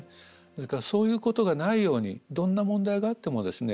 ですからそういうことがないようにどんな問題があってもですね